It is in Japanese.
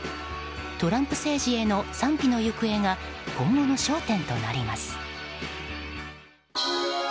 トランプ政治への賛否の行方が今後の焦点となります。